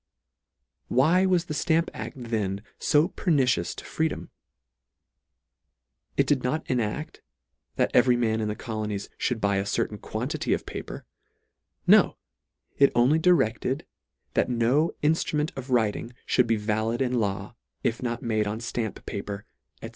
LETTER II. 21 Why was the Stamp acl then fo pernicious to freedom ? It did not enact, that every man in the colonies jhould buy a certain quantity of paper — No : It only directed, that no inftrument of writing mould be valid in law, if not made on ftamp paper, &c.